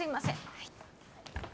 はい